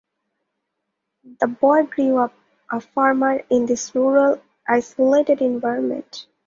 The boy grew up a farmer in this rural, isolated environment.